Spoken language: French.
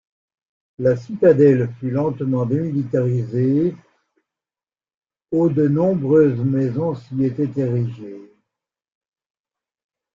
La citadelle fut lentement démilitarisée, au de nombreuses maisons s'y étaient érigé.